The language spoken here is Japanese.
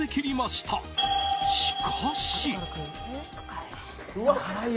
しかし。